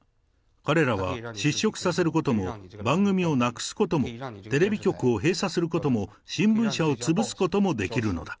彼らは失職させることも、番組をなくすことも、テレビ局を閉鎖することも、新聞社を潰すこともできるのだ。